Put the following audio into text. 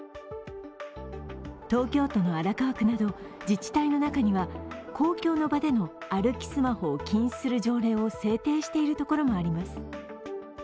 東京都の荒川区など自治体の中には公共の場での歩きスマホを禁止する条例を制定しているところもあります。